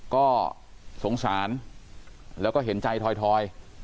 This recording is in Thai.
ก็สงสารแล้วก็เห็นใจถอย